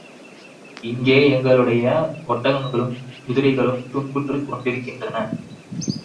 இங்கே எங்களுடைய ஒட்டகங்களும் குதிரைகளும் துன்புற்றுக் கொண்டிருக்கின்றன.